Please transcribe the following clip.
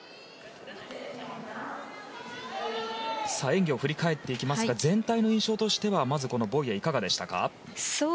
演技を振り返っていきますが全体の印象としてはボイエは、いかがでしたか？